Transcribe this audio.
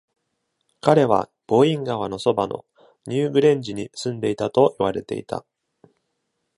彼は、ボイン川の側の、ニューグレンジに住んでいたと言われていた。